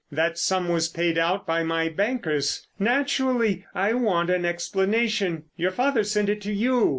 That sum was paid out by my bankers. Naturally, I want an explanation. Your father sent it to you.